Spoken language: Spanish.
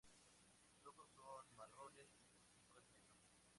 Sus ojos son marrones y su pico es negro.